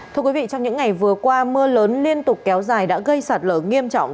thưa quý vị trong những ngày vừa qua mưa lớn liên tục kéo dài đã gây sạt lở nghiêm trọng